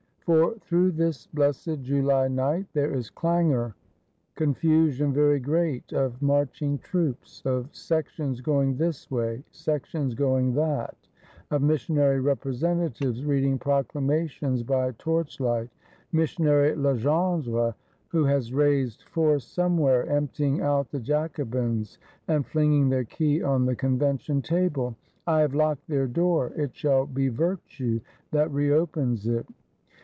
For through this blessed July night, there is clangor, confusion very great, of marching troops; of Sections going this way, Sections going that; of Missionary Representatives reading Proclamations by torchlight; Missionary Legendre, who has raised force somewhere, emptying out the Jacobins, and flinging their key on the Convention table: "I have locked their door; it shall be Virtue that re opens it."